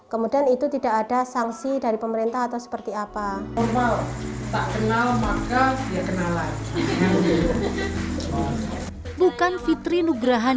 seiring dengan infrastruktur di area wisata lombok barat